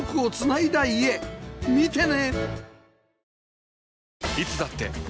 見てね！